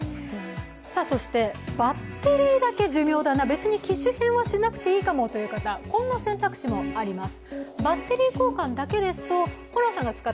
そしてバッテリーだけ寿命だな、別に機種変はしなくていいかもという方、こういった選択肢もあります。